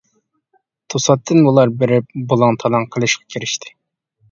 توساتتىن بۇلار بېرىپ بۇلاڭ-تالاڭ قىلىشقا كىرىشتى.